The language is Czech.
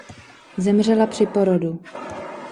Zemřela při porodu.